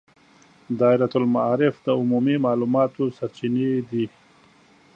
دایرة المعارفونه د عمومي معلوماتو سرچینې دي.